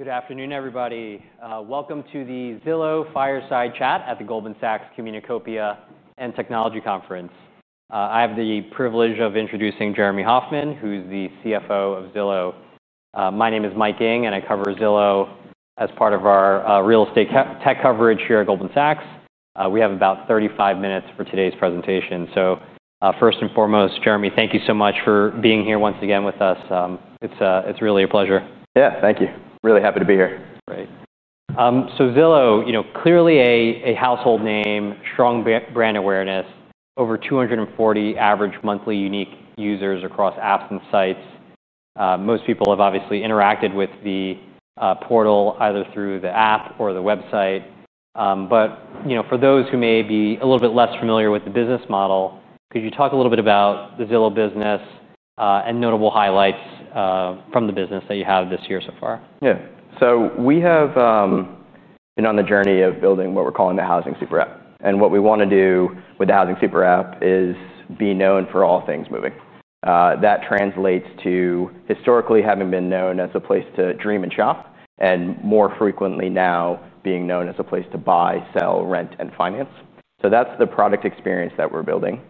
Good afternoon, everybody. Welcome to the Zillow Fireside Chat at the Goldman Sachs Communicopia and Technology Conference. I have the privilege of introducing Jeremy Hofmann, who's the CFO of Zillow. My name is Mike Ng, and I cover Zillow as part of our real estate tech coverage here at Goldman Sachs. We have about 35 minutes for today's presentation. Jeremy, thank you so much for being here once again with us. It's really a pleasure. Yeah, thank you. Really happy to be here. Great. Zillow, you know, clearly a household name, strong brand awareness, over 240 million average monthly unique users across apps and sites. Most people have obviously interacted with the portal either through the app or the website. For those who may be a little bit less familiar with the business model, could you talk a little bit about the Zillow business and notable highlights from the business that you have this year so far? Yeah. We have been on the journey of building what we're calling the Housing Super App. What we want to do with the Housing Super App is be known for all things moving. That translates to historically having been known as a place to dream and shop, and more frequently now being known as a place to buy, sell, rent, and finance. That's the product experience that we're building.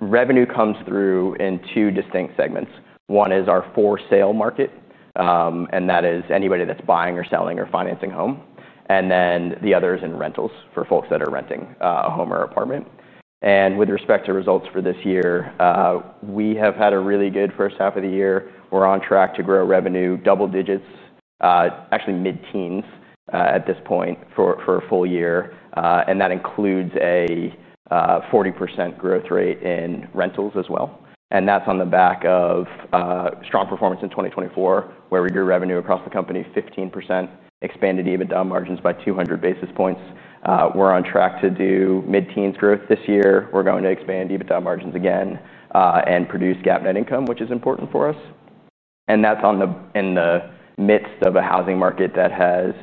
Revenue comes through in two distinct segments. One is our For Sale Market, and that is anybody that's buying or selling or financing a home. The other is in Rentals for folks that are renting a home or apartment. With respect to results for this year, we have had a really good first half of the year. We're on track to grow revenue double-digits, actually mid-teens at this point for a full year. That includes a 40% growth rate in rentals as well. That's on the back of strong performance in 2024, where we grew revenue across the company 15%, expanded EBITDA margins by 200 basis points. We're on track to do mid-teens growth this year. We're going to expand EBITDA margins again and produce GAAP net income, which is important for us. That's in the midst of a housing market that has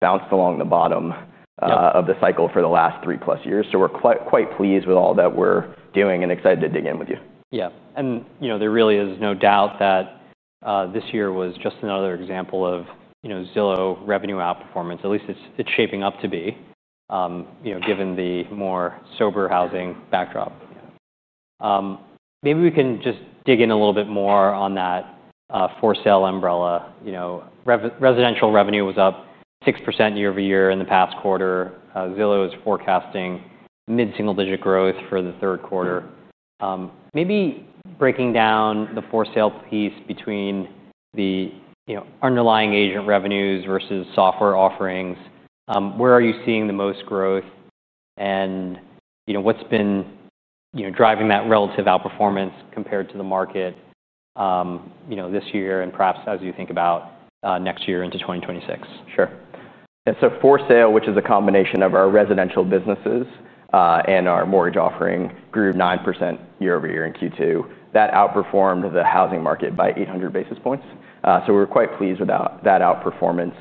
bounced along the bottom of the cycle for the last 3+ years. We're quite pleased with all that we're doing and excited to dig in with you. Yeah, there really is no doubt that this year was just another example of Zillow revenue outperformance. At least it's shaping up to be, given the more sober housing backdrop. Yeah. Maybe we can just dig in a little bit more on that For Sale umbrella. Residential revenue was up 6% year-over-year in the past quarter. Zillow is forecasting mid-single-digit growth for the third quarter. Maybe breaking down the For Sale piece between the underlying agent revenues versus software offerings. Where are you seeing the most growth? What's been driving that relative outperformance compared to the market this year and perhaps as you think about next year into 2026? Sure. For sale, which is a combination of our residential businesses and our mortgage offering, grew 9% year-over-year in Q2. That outperformed the housing market by 800 basis points. We are quite pleased with that outperformance.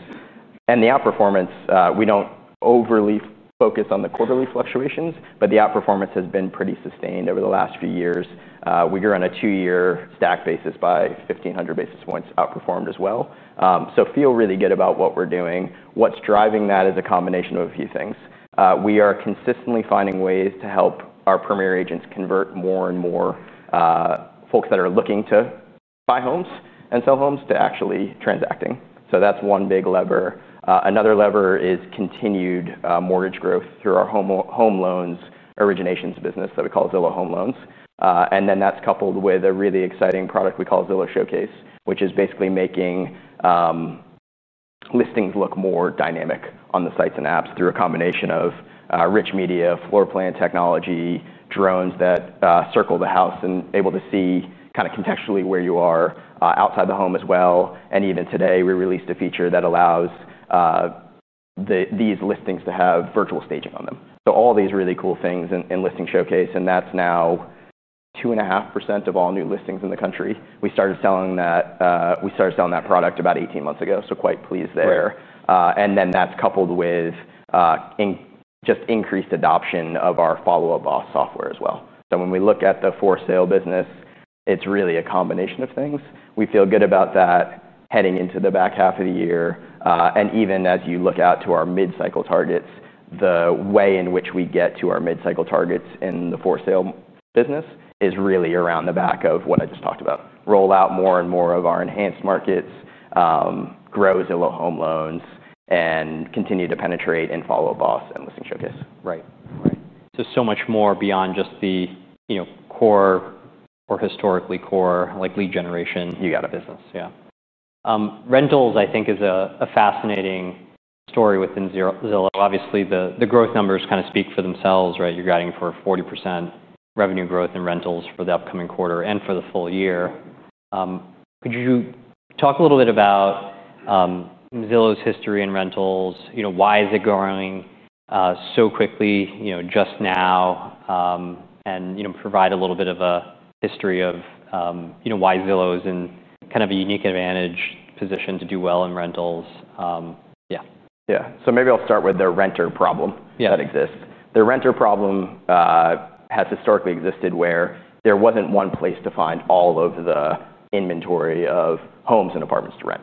The outperformance, we do not overly focus on the quarterly fluctuations, but the outperformance has been pretty sustained over the last few years. We grew on a two-year stack basis by 1,500 basis points, outperformed as well. We feel really good about what we are doing. What is driving that is a combination of a few things. We are consistently finding ways to help our premier agents convert more and more folks that are looking to buy homes and sell homes to actually transacting. That is one big lever. Another lever is continued mortgage growth through our home loans originations business that we call Zillow Home Loans. That is coupled with a really exciting product we call Zillow Showcase, which is basically making listings look more dynamic on the sites and apps through a combination of rich media, floor plan technology, drones that circle the house and are able to see kind of contextually where you are outside the home as well. Even today, we released a feature that allows these listings to have virtual staging on them. All these really cool things in Listing Showcase. That is now 2.5% of all new listings in the country. We started selling that product about 18 months ago, so quite pleased there. That is coupled with just increased adoption of our Follow Up Boss software as well. When we look at the for sale business, it is really a combination of things. We feel good about that heading into the back half of the year. Even as you look out to our mid-cycle targets, the way in which we get to our mid-cycle targets in the for sale business is really around the back of what I just talked about. Roll out more and more of our enhanced markets, grow Zillow Home Loans, and continue to penetrate in Follow Up Boss and Listing Showcase. Right. So much more beyond just the, you know, core or historically core like lead generation. You got it. Business. Rentals, I think, is a fascinating story within Zillow. Obviously, the growth numbers kind of speak for themselves, right? You're guiding for 40% revenue growth in rentals for the upcoming quarter and for the full year. Could you talk a little bit about Zillow's history in rentals? You know, why is it growing so quickly, you know, just now? You know, provide a little bit of a history of, you know, why Zillow is in kind of a unique advantage position to do well in rentals. Yeah. Maybe I'll start with the renter problem that exists. The renter problem has historically existed where there wasn't one place to find all of the inventory of homes and apartments to rent.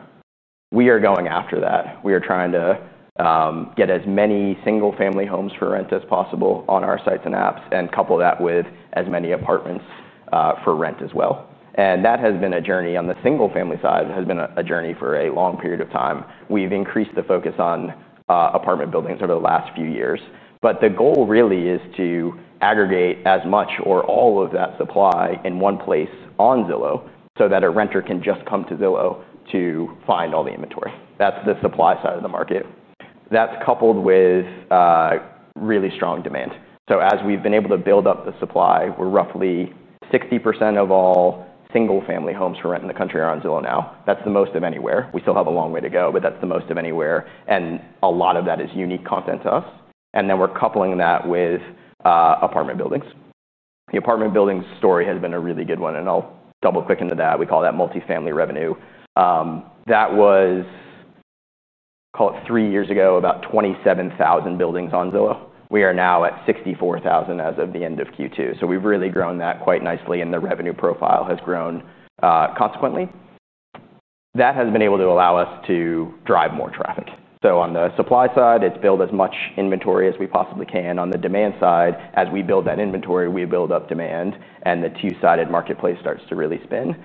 We are going after that. We are trying to get as many single-family homes for rent as possible on our sites and apps and couple that with as many apartments for rent as well. That has been a journey on the single-family side. It has been a journey for a long period of time. We've increased the focus on apartment buildings over the last few years. The goal really is to aggregate as much or all of that supply in one place on Zillow so that a renter can just come to Zillow to find all the inventory. That's the supply side of the market. That's coupled with really strong demand. As we've been able to build up the supply, we're roughly 60% of all single-family homes for rent in the country are on Zillow now. That's the most of anywhere. We still have a long way to go, but that's the most of anywhere. A lot of that is unique content to us. Then we're coupling that with apartment buildings. The apartment building story has been a really good one. I'll double-click into that. We call that Multifamily revenue. That was, call it three years ago, about 27,000 buildings on Zillow. We are now at 64,000 as of the end of Q2. We've really grown that quite nicely, and the revenue profile has grown consequently. That has been able to allow us to drive more traffic. On the supply side, it's built as much inventory as we possibly can. On the demand side, as we build that inventory, we build up demand, and the two-sided marketplace starts to really spin.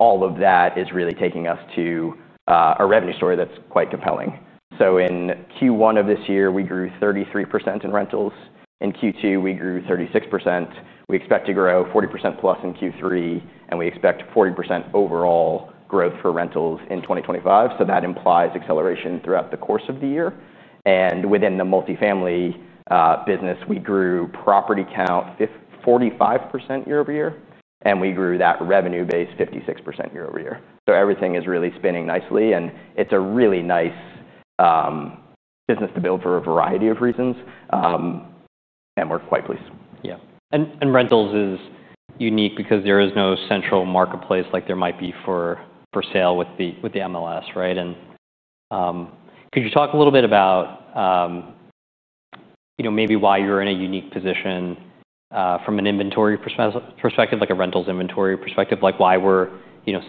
All of that is really taking us to a revenue story that's quite compelling. In Q1 of this year, we grew 33% in rentals. In Q2, we grew 36%. We expect to grow 40% plus in Q3, and we expect 40% overall growth for rentals in 2025. That implies acceleration throughout the course of the year. Within the Multifamily business, we grew property count 45% year-over-year, and we grew that revenue base 56% year-over-year. Everything is really spinning nicely, and it's a really nice business to build for a variety of reasons. We're quite pleased. Yeah. Rentals is unique because there is no central marketplace like there might be for sale with the MLS, right? Could you talk a little bit about maybe why you're in a unique position from an inventory perspective, like a rentals inventory perspective, like why were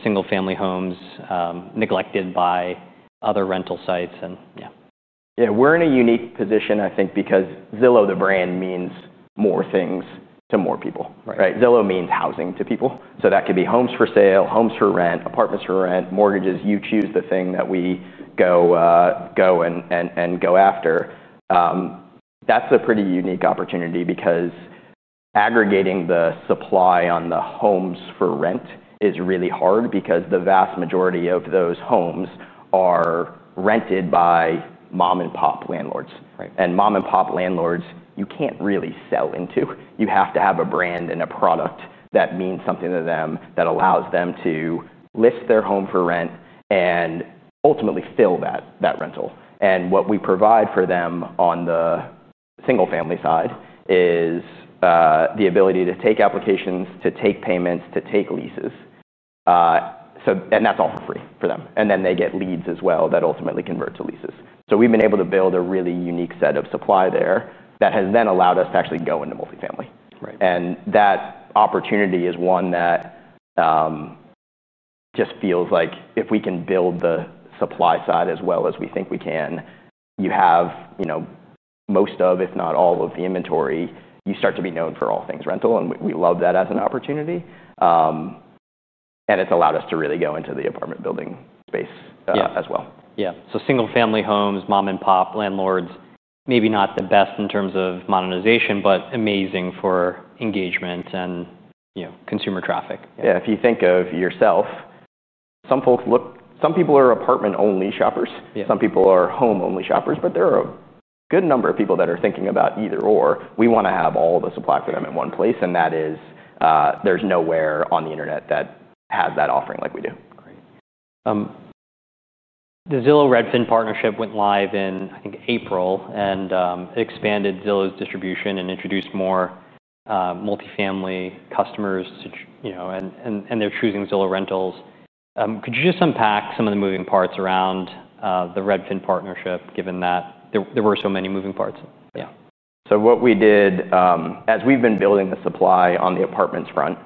single-family homes neglected by other rental sites? Yeah. We're in a unique position, I think, because Zillow, the brand, means more things to more people, right? Zillow means housing to people. That could be homes for sale, homes for rent, apartments for rent, mortgages. You choose the thing that we go and go after. That's a pretty unique opportunity because aggregating the supply on the homes for rent is really hard because the vast majority of those homes are rented by mom-and-pop landlords. Mom-and-pop landlords, you can't really sell into. You have to have a brand and a product that means something to them, that allows them to list their home for rent and ultimately fill that rental. What we provide for them on the single-family side is the ability to take applications, to take payments, to take leases. That's all for free for them. They get leads as well that ultimately convert to leases. We've been able to build a really unique set of supply there that has then allowed us to actually go into multifamily. That opportunity is one that just feels like if we can build the supply side as well as we think we can, you have most of, if not all of the inventory, you start to be known for all things rental. We love that as an opportunity. It's allowed us to really go into the apartment building space as well. Single-family homes, mom-and-pop landlords, maybe not the best in terms of modernization, but amazing for engagement and, you know, consumer traffic. Yeah. If you think of yourself, some folks look, some people are apartment-only shoppers. Some people are home-only shoppers. There are a good number of people that are thinking about either/or. We want to have all the supply for them in one place. There is nowhere on the internet that has that offering like we do. The Zillow-Redfin partnership went live in, I think, April. It expanded Zillow's distribution and introduced more multifamily customers, you know, and they're choosing Zillow rentals. Could you just unpack some of the moving parts around the Redfin partnership, given that there were so many moving parts? Yeah. What we did, as we've been building the supply on the apartments front,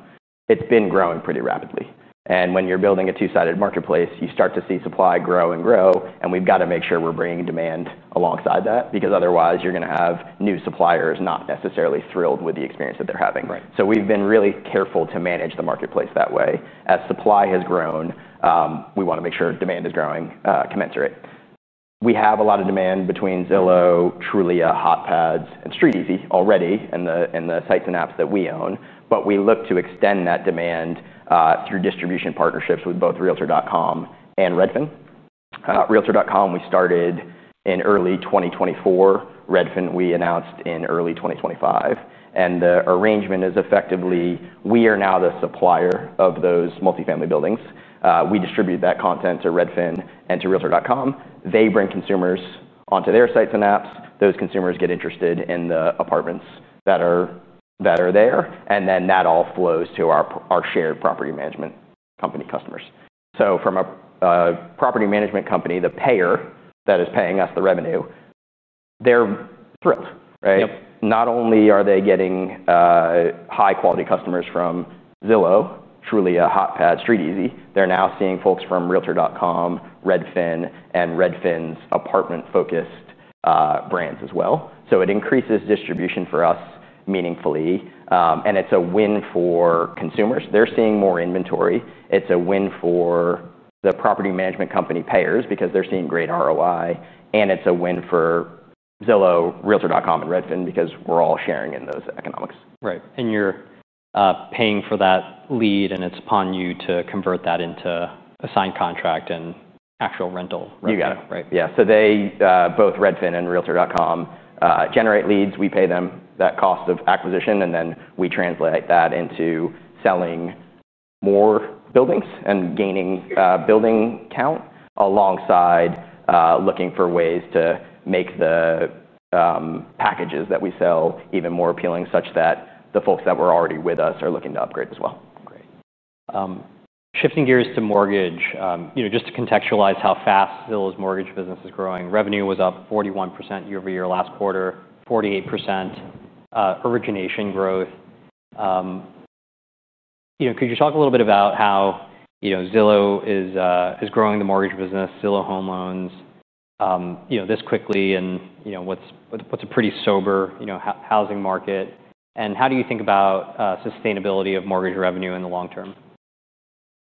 it's been growing pretty rapidly. When you're building a two-sided marketplace, you start to see supply grow and grow. We've got to make sure we're bringing demand alongside that because otherwise, you're going to have new suppliers not necessarily thrilled with the experience that they're having. We've been really careful to manage the marketplace that way. As supply has grown, we want to make sure demand is growing commensurate. We have a lot of demand between Zillow, Trulia, HotPads, and StreetEasy already in the sites and apps that we own. We look to extend that demand through distribution partnerships with both Realtor.com and Redfin. Realtor.com, we started in early 2024. Redfin, we announced in early 2025. The arrangement is effectively, we are now the supplier of those multifamily buildings. We distribute that content to Redfin and to Realtor.com. They bring consumers onto their sites and apps. Those consumers get interested in the apartments that are there. That all flows to our shared property management company customers. From a property management company, the payer that is paying us the revenue, they're thrilled, right? Yep. Not only are they getting high-quality customers from Zillow, Trulia, HotPads, and StreetEasy, they're now seeing folks from Realtor.com, Redfin, and Redfin's apartment-focused brands as well. It increases distribution for us meaningfully, and it's a win for consumers. They're seeing more inventory. It's a win for the property management company payers because they're seeing great ROI. It's a win for Zillow, Realtor.com, and Redfin because we're all sharing in those economics. Right. You're paying for that lead, and it's upon you to convert that into a signed contract and actual rental. You got it. Right. Yeah. Both Redfin and Realtor.com generate leads. We pay them that cost of acquisition, and then we translate that into selling more buildings and gaining building count alongside looking for ways to make the packages that we sell even more appealing, such that the folks that were already with us are looking to upgrade as well. Great. Shifting gears to mortgage, just to contextualize how fast Zillow's mortgage business is growing, revenue was up 41% year-over-year last quarter, 48% origination growth. Could you talk a little bit about how Zillow is growing the mortgage business, Zillow Home Loans, this quickly in what's a pretty sober housing market? How do you think about sustainability of mortgage revenue in the long term?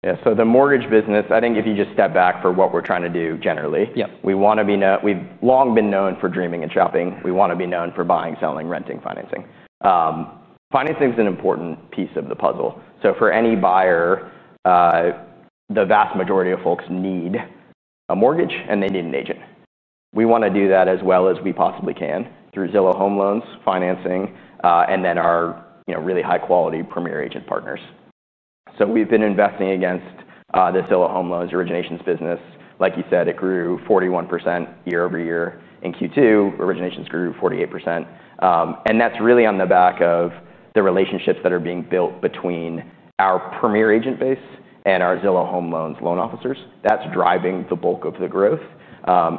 Yeah. The mortgage business, I think if you just step back for what we're trying to do generally, we want to be known. We've long been known for dreaming and shopping. We want to be known for buying, selling, renting, financing. Financing is an important piece of the puzzle. For any buyer, the vast majority of folks need a mortgage and they need an agent. We want to do that as well as we possibly can through Zillow Home Loans financing and then our really high-quality premier agent partners. We've been investing against the Zillow Home Loans originations business. Like you said, it grew 41% year-over-year. In Q2, originations grew 48%. That's really on the back of the relationships that are being built between our premier agent base and our Zillow Home Loans loan officers. That's driving the bulk of the growth.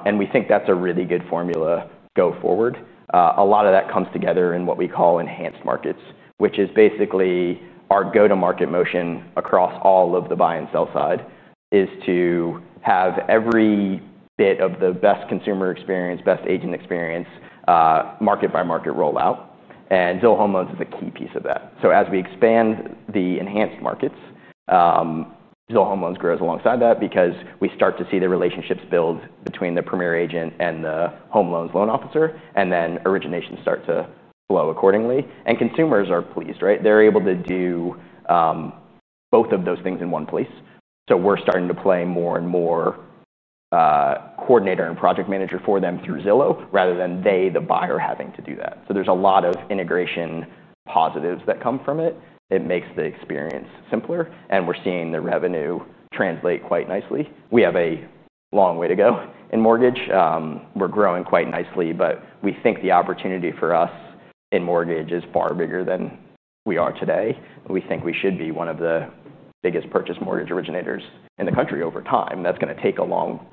We think that's a really good formula going forward. A lot of that comes together in what we call enhanced markets, which is basically our go-to-market motion across all of the buy and sell side is to have every bit of the best consumer experience, best agent experience, market-by-market rollout. Zillow Home Loans is a key piece of that. As we expand the enhanced markets, Zillow Home Loans grows alongside that because we start to see the relationships build between the premier agent and the home loans loan officer. Originations start to flow accordingly. Consumers are pleased, right? They're able to do both of those things in one place. We're starting to play more and more coordinator and project manager for them through Zillow rather than they, the buyer, having to do that. There are a lot of integration positives that come from it. It makes the experience simpler. We're seeing the revenue translate quite nicely. We have a long way to go in mortgage. We're growing quite nicely. We think the opportunity for us in mortgage is far bigger than we are today. We think we should be one of the biggest purchase mortgage originators in the country over time. That's going to take a long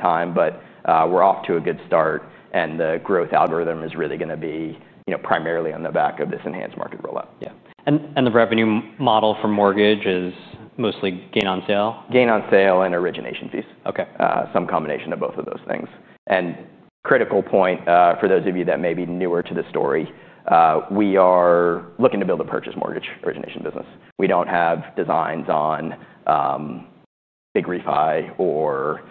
time. We're off to a good start. The growth algorithm is really going to be primarily on the back of this enhanced market rollout. Yeah, the revenue model for mortgage is mostly gain on sale? Gain on sale and origination fees. Ok. Some combination of both of those things. A critical point for those of you that may be newer to the story, we are looking to build a purchase mortgage origination business. We don't have designs on Big Refi or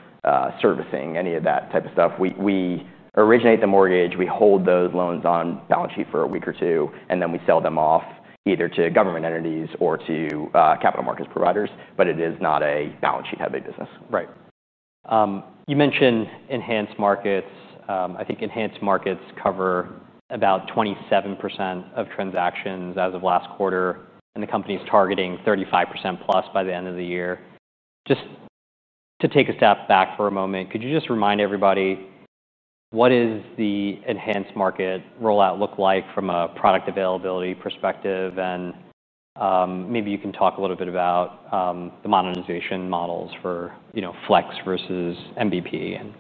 servicing, any of that type of stuff. We originate the mortgage, hold those loans on balance sheet for a week or two, and then we sell them off either to government entities or to capital markets providers. It is not a balance sheet heavy business. Right. You mentioned enhanced markets. I think enhanced markets cover about 27% of transactions as of last quarter, and the company is targeting 35%+ by the end of the year. Just to take a step back for a moment, could you just remind everybody what does the enhanced market rollout look like from a product availability perspective? Maybe you can talk a little bit about the modernization models for, you know, Flex versus MBP.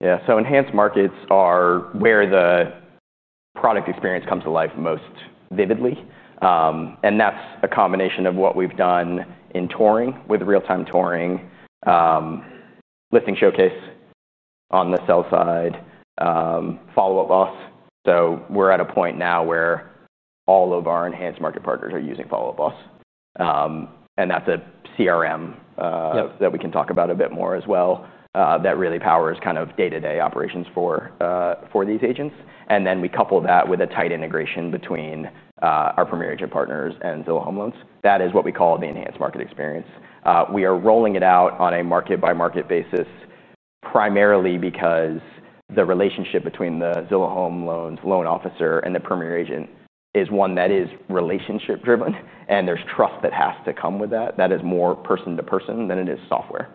Yeah. Enhanced markets are where the product experience comes to life most vividly. That's a combination of what we've done in touring with real-time touring, Listing Showcase on the sell side, Follow Up Boss. We're at a point now where all of our enhanced market partners are using Follow Up Boss. That's a CRM that we can talk about a bit more as well that really powers kind of day-to-day operations for these agents. We couple that with a tight integration between our premier agent partners and Zillow Home Loans. That is what we call the enhanced market experience. We are rolling it out on a market-by-market basis primarily because the relationship between the Zillow Home Loans loan officer and the premier agent is one that is relationship-driven. There's trust that has to come with that. That is more person-to-person than it is software.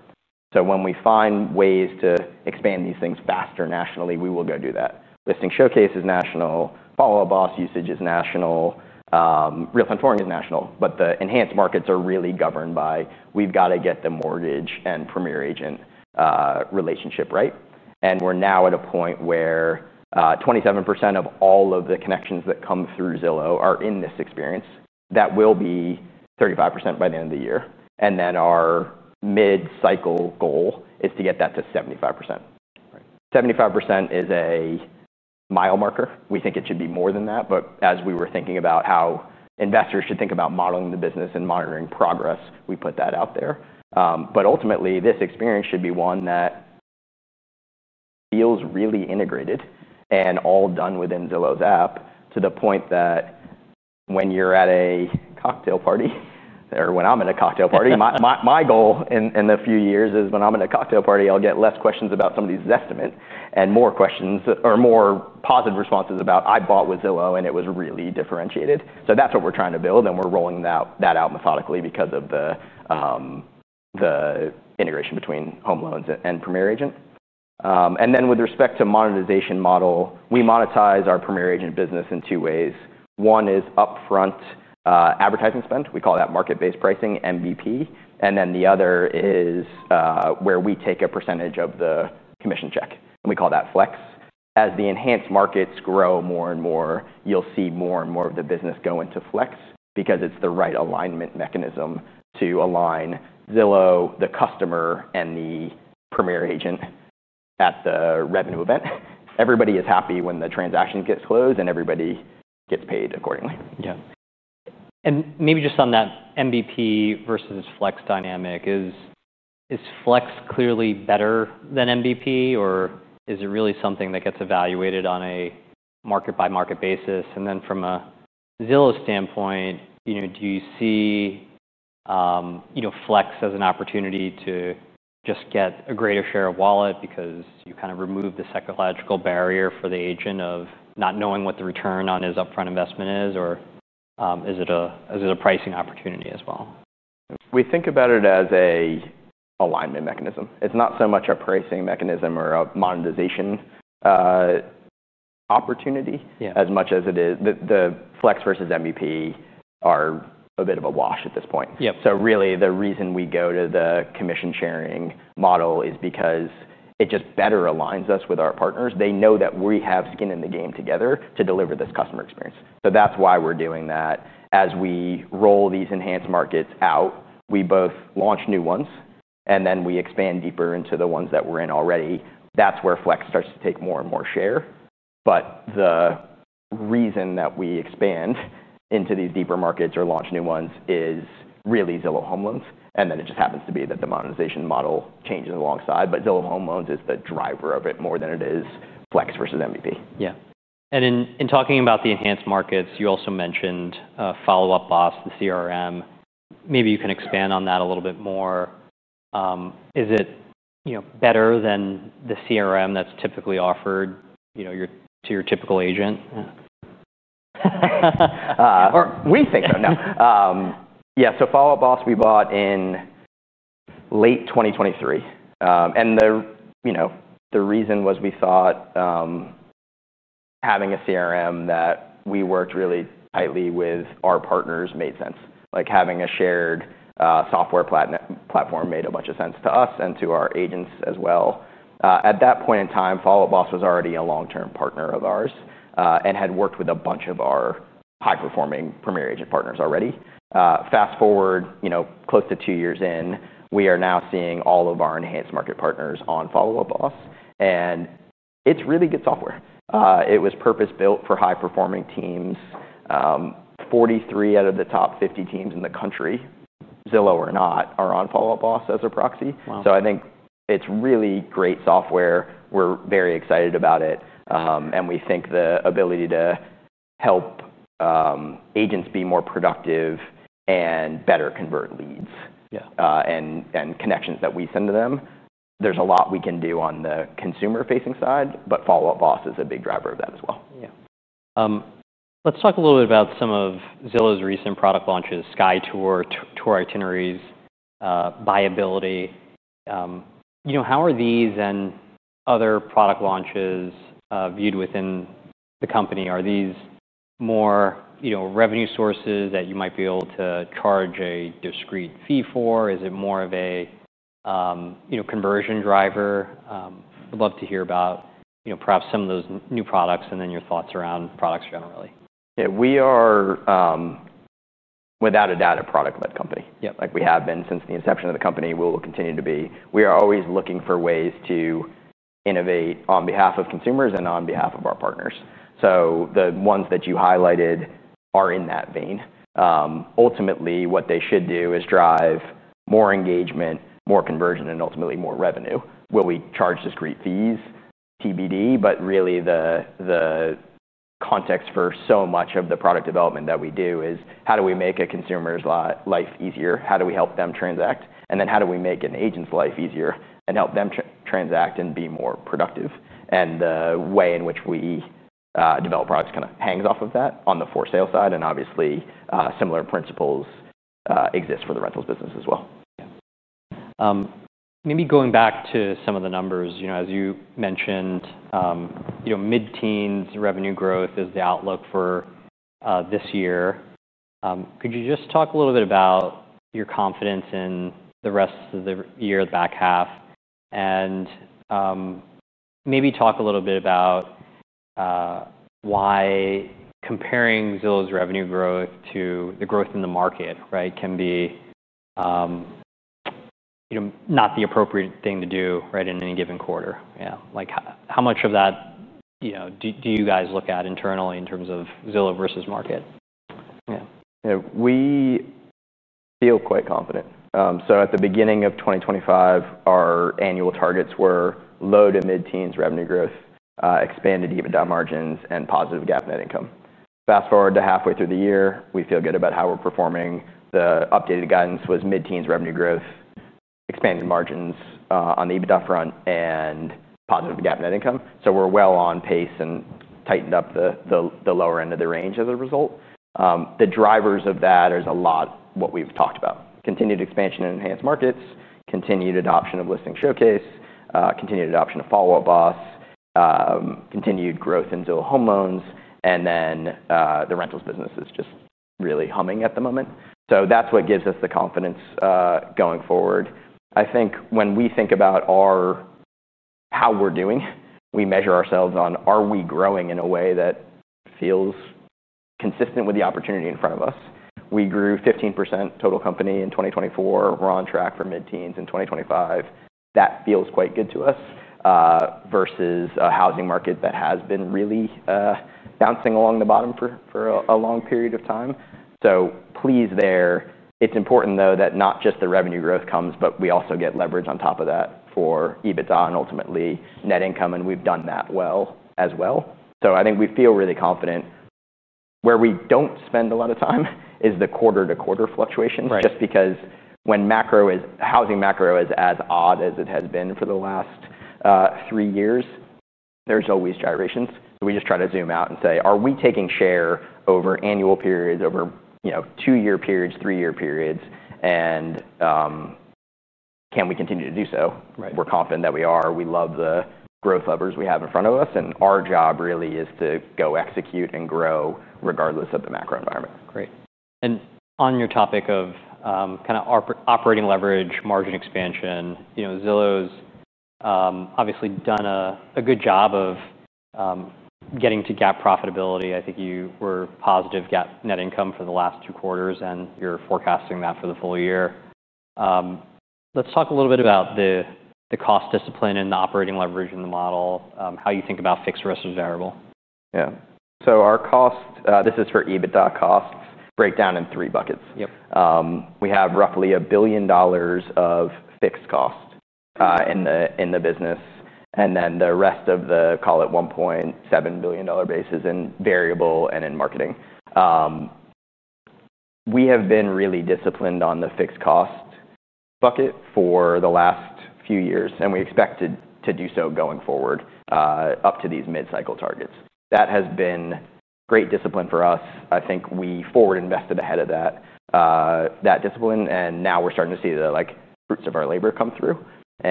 When we find ways to expand these things faster nationally, we will go do that. Listing Showcase is national. Follow Up Boss usage is national. Real-time touring is national. The enhanced markets are really governed by we've got to get the mortgage and premier agent relationship right. We're now at a point where 27% of all of the connections that come through Zillow are in this experience. That will be 35% by the end of the year. Our mid-cycle goal is to get that to 75%. Right. 75% is a mile marker. We think it should be more than that. As we were thinking about how investors should think about modeling the business and monitoring progress, we put that out there. Ultimately, this experience should be one that feels really integrated and all done within Zillow's app to the point that when you're at a cocktail party or when I'm at a cocktail party, my goal in a few years is when I'm at a cocktail party, I'll get less questions about somebody's estimate and more questions or more positive responses about I bought with Zillow and it was really differentiated. That's what we're trying to build. We're rolling that out methodically because of the integration between home loans and premier agent. With respect to monetization model, we monetize our premier agent business in two ways. One is Upfront Advertising Spend. We call that market-based pricing, MBP. The other is where we take a percentage of the commission check. We call that Flex. As the enhanced markets grow more and more, you'll see more and more of the business go into Flex because it's the right alignment mechanism to align Zillow, the customer, and the premier agent at the revenue event. Everybody is happy when the transaction gets closed and everybody gets paid accordingly. Maybe just on that MBP versus Flex dynamic, is Flex clearly better than MBP? Is it really something that gets evaluated on a market-by-market basis? From a Zillow standpoint, do you see Flex as an opportunity to just get a greater share of wallet because you kind of remove the psychological barrier for the agent of not knowing what the return on his upfront investment is? Is it a pricing opportunity as well? We think about it as an alignment mechanism. It's not so much a pricing mechanism or a monetization opportunity as much as it is the Flex versus MBP are a bit of a wash at this point. Yep. The reason we go to the commission sharing model is because it just better aligns us with our partners. They know that we have skin in the game together to deliver this customer experience. That's why we're doing that. As we roll these enhanced markets out, we both launch new ones and expand deeper into the ones that we're in already. That's where Flex starts to take more and more share. The reason that we expand into these deeper markets or launch new ones is really Zillow Home Loans. It just happens to be that the modernization model changes alongside. Zillow Home Loans is the driver of it more than it is Flex versus MBP. Yeah. In talking about the enhanced markets, you also mentioned Follow Up Boss, the CRM. Maybe you can expand on that a little bit more. Is it better than the CRM that's typically offered to your typical agent? We think so. No. Yeah. Follow Up Boss, we bought in late 2023. The reason was we thought having a CRM that we worked really tightly with our partners made sense. Having a shared software platform made a bunch of sense to us and to our agents as well. At that point in time, Follow Up Boss was already a long-term partner of ours and had worked with a bunch of our high-performing premier agent partners already. Fast forward, close to two years in, we are now seeing all of our enhanced market partners on Follow Up Boss. It's really good software. It was purpose-built for high-performing teams. 43 out of the top 50 teams in the country, Zillow or not, are on Follow Up Boss as a proxy. Wow. I think it's really great software. We're very excited about it, and we think the ability to help agents be more productive and better convert leads. Yeah. Connections that we send to them, there's a lot we can do on the consumer-facing side. Follow Up Boss is a big driver of that as well. Yeah. Let's talk a little bit about some of Zillow's recent product launches, SkyTour, tour itineraries, buyability. How are these and other product launches viewed within the company? Are these more revenue sources that you might be able to charge a discrete fee for? Is it more of a conversion driver? I'd love to hear about perhaps some of those new products and then your thoughts around products generally. Yeah, we are, without a doubt, a product-led company. Yeah. Like we have been since the inception of the company, we will continue to be. We are always looking for ways to innovate on behalf of consumers and on behalf of our partners. The ones that you highlighted are in that vein. Ultimately, what they should do is drive more engagement, more conversion, and ultimately more revenue. Will we charge discrete fees, TBD? The context for so much of the product development that we do is how do we make a consumer's life easier? How do we help them transact? How do we make an agent's life easier and help them transact and be more productive? The way in which we develop products kind of hangs off of that on the for sale side. Obviously, similar principles exist for the rentals business as well. Maybe going back to some of the numbers, as you mentioned, mid-teens revenue growth is the outlook for this year. Could you just talk a little bit about your confidence in the rest of the year, the back half? Maybe talk a little bit about why comparing Zillow's revenue growth to the growth in the market can be not the appropriate thing to do in any given quarter. Like how much of that do you guys look at internally in terms of Zillow versus market? Yeah. We feel quite confident. At the beginning of 2025, our annual targets were low to mid-teens revenue growth, expanded EBITDA margins, and positive GAAP net income. Fast forward to halfway through the year, we feel good about how we're performing. The updated guidance was mid-teens revenue growth, expanded margins on the EBITDA front, and positive GAAP net income. We're well on pace and tightened up the lower end of the range as a result. The drivers of that are a lot of what we've talked about: continued expansion in enhanced markets, continued adoption of listing showcase, continued adoption of Follow Up Boss, continued growth in Zillow Home Loans. The rentals business is just really humming at the moment. That's what gives us the confidence going forward. I think when we think about how we're doing, we measure ourselves on are we growing in a way that feels consistent with the opportunity in front of us. We grew 15% total company in 2024. We're on track for mid-teens in 2025. That feels quite good to us versus a housing market that has been really bouncing along the bottom for a long period of time. It's important, though, that not just the revenue growth comes, but we also get leverage on top of that for EBITDA and ultimately net income. We've done that well as well. I think we feel really confident. Where we don't spend a lot of time is the quarter-to-quarter fluctuations. Right. Just because when housing macro is as odd as it has been for the last three years, there's always gyrations. We just try to zoom out and say, are we taking share over annual periods, over, you know, two-year periods, three-year periods? Can we continue to do so? Right. We're confident that we are. We love the growth levers we have in front of us. Our job really is to go execute and grow regardless of the macro-environment. Great. On your topic of operating leverage, margin expansion, Zillow's obviously done a good job of getting to GAAP profitability. I think you were positive GAAP net income for the last two quarters, and you're forecasting that for the full year. Let's talk a little bit about the cost discipline and the operating leverage in the model, how you think about fixed versus variable. Yeah. Our cost, this is for EBITDA costs, break down in three buckets. Yep. We have roughly $1 billion of fixed cost in the business, and then the rest of the, call it $1.7 billion basis, in variable and in marketing. We have been really disciplined on the fixed cost bucket for the last few years, and we expect to do so going forward up to these mid-cycle targets. That has been great discipline for us. I think we forward invested ahead of that discipline, and now we're starting to see the fruits of our labor come through.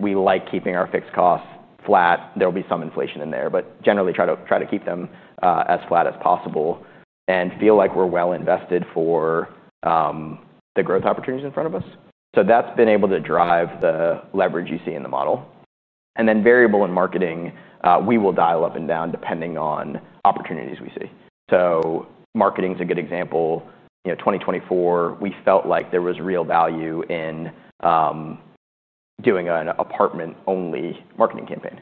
We like keeping our fixed costs flat. There'll be some inflation in there, but generally try to keep them as flat as possible and feel like we're well invested for the growth opportunities in front of us. That's been able to drive the leverage you see in the model. Variable and marketing, we will dial up and down depending on opportunities we see. Marketing is a good example. In 2024, we felt like there was real value in doing an apartment-only marketing campaign.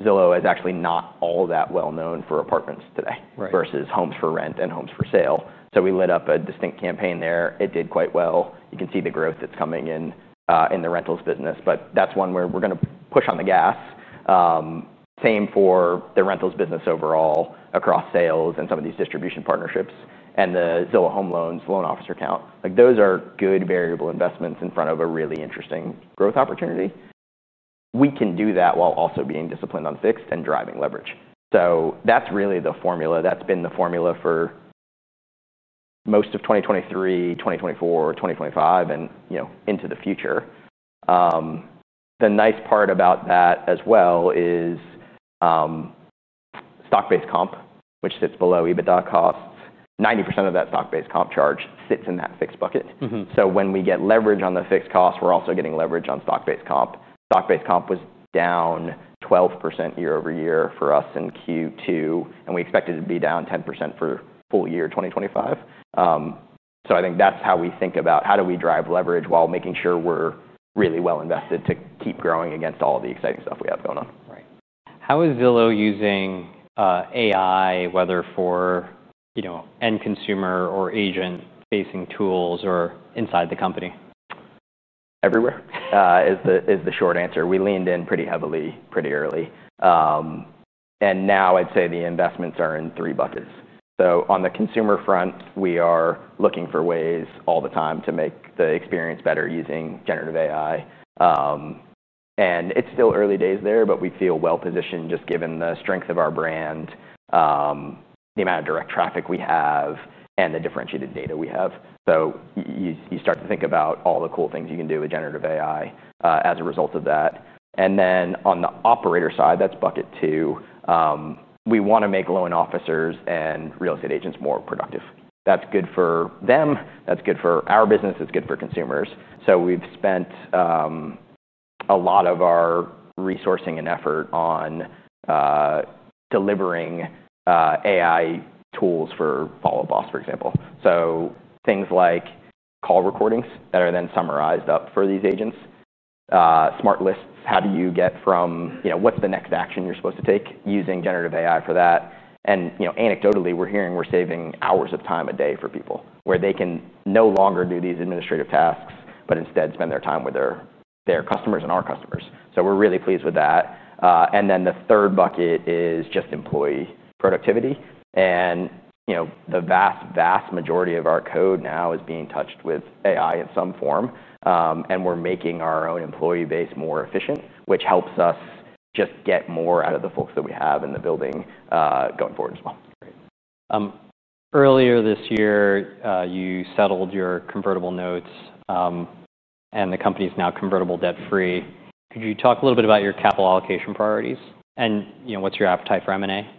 Zillow is actually not all that well known for apartments today. Right. Versus homes for rent and homes for sale. We lit up a distinct campaign there. It did quite well. You can see the growth that's coming in the rentals business. That's one where we're going to push on the gas. Same for the rentals business overall across sales and some of these distribution partnerships and the Zillow Home Loans loan officer count. Those are good variable investments in front of a really interesting growth opportunity. We can do that while also being disciplined on fixed and driving leverage. That's really the formula. That's been the formula for most of 2023, 2024, 2025, and, you know, into the future. The nice part about that as well is stock-based comp, which sits below EBITDA costs. 90% of that stock-based comp charge sits in that fixed bucket. Mm-hmm. When we get leverage on the fixed costs, we're also getting leverage on stock-based comp. Stock-based comp was down 12% year-over-year for us in Q2, and we expected it to be down 10% for full year 2025. I think that's how we think about how do we drive leverage while making sure we're really well invested to keep growing against all the exciting stuff we have going on. Right. How is Zillow using AI, whether for, you know, end consumer or agent-facing tools or inside the company? Everywhere is the short answer. We leaned in pretty heavily pretty early. Now I'd say the investments are in three buckets. On the consumer front, we are looking for ways all the time to make the experience better using generative AI. It's still early days there, but we feel well positioned just given the strength of our brand, the amount of direct traffic we have, and the differentiated data we have. You start to think about all the cool things you can do with generative AI as a result of that. On the operator side, that's bucket two. We want to make loan officers and real estate agents more productive. That's good for them, that's good for our business, that's good for consumers. We've spent a lot of our resourcing and effort on delivering AI tools for Follow Up Boss, for example. Things like call recordings that are then summarized up for these agents, smart lists, how do you get from, you know, what's the next action you're supposed to take using generative AI for that. Anecdotally, we're hearing we're saving hours of time a day for people where they can no longer do these administrative tasks, but instead spend their time with their customers and our customers. We're really pleased with that. The third bucket is just employee productivity. The vast, vast majority of our code now is being touched with AI in some form. We're making our own employee base more efficient, which helps us just get more out of the folks that we have in the building going forward as well. Great. Earlier this year, you settled your convertible notes, and the company is now convertible debt-free. Could you talk a little bit about your capital allocation priorities? What's your appetite for M&A? Yeah.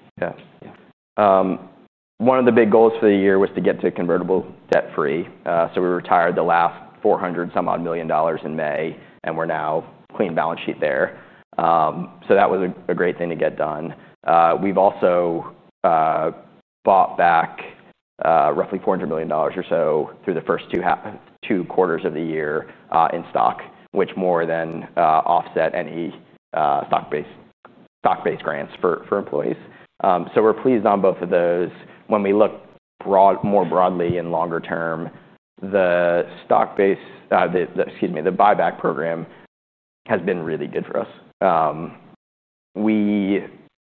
One of the big goals for the year was to get to convertible debt-free. We retired the last $400 million-some-odd in May, and we're now clean balance sheet there. That was a great thing to get done. We've also bought back roughly $400 million or so through the first two quarters of the year in stock, which more than offset any stock-based grants for employees. We're pleased on both of those. When we look more broadly and longer term, the buyback program has been really good for us. We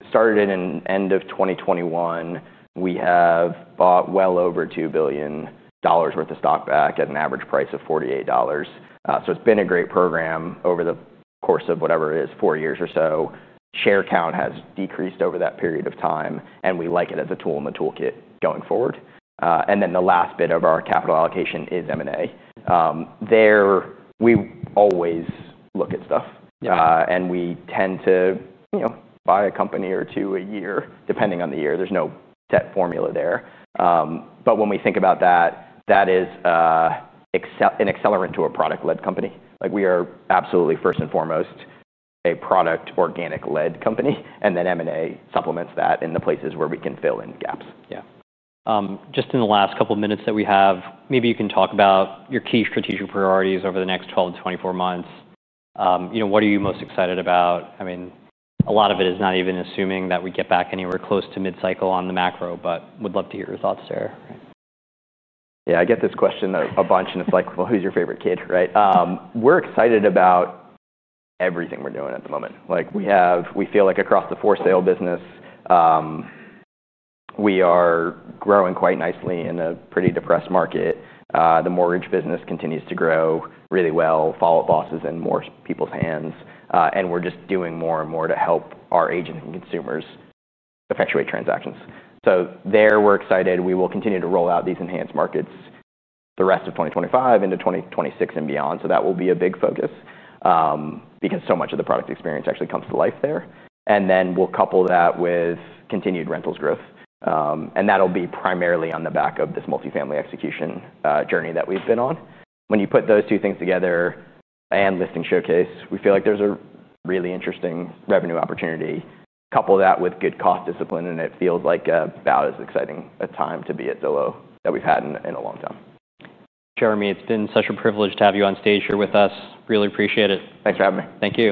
started it in the end of 2021. We have bought well over $2 billion worth of stock back at an average price of $48. It's been a great program over the course of whatever it is, four years or so. Share count has decreased over that period of time. We like it as a tool in the toolkit going forward. The last bit of our capital allocation is M&A. There, we always look at stuff. Yeah. We tend to buy a company or two a year, depending on the year. There is no set formula there. When we think about that, that is an accelerant to a product-led company. We are absolutely, first and foremost, a product organic-led company, and then M&A supplements that in the places where we can fill in gaps. Yeah. Just in the last couple of minutes that we have, maybe you can talk about your key strategic priorities over the next 12months-24 months. You know, what are you most excited about? I mean, a lot of it is not even assuming that we get back anywhere close to mid-cycle on the macro, but would love to hear your thoughts there. Yeah. I get this question a bunch. It's like, well, who's your favorite kid, right? We're excited about everything we're doing at the moment. We feel like across the for sale business, we are growing quite nicely in a pretty depressed market. The mortgage business continues to grow really well. Follow Up Boss is in more people's hands. We're just doing more and more to help our agents and consumers effectuate transactions. We're excited. We will continue to roll out these enhanced markets the rest of 2025 into 2026 and beyond. That will be a big focus because so much of the product experience actually comes to life there. We'll couple that with continued rentals growth. That'll be primarily on the back of this multifamily execution journey that we've been on. When you put those two things together and listing showcase, we feel like there's a really interesting revenue opportunity. Couple that with good cost discipline. It feels like about as exciting a time to be at Zillow that we've had in a long time. Jeremy, it's been such a privilege to have you on stage here with us. Really appreciate it. Thanks for having me. Thank you.